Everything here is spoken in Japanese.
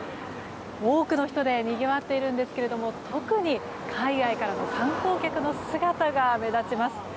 多くの人でにぎわっているんですけれども特に海外からの観光客の姿が目立ちます。